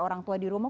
orang tua di rumah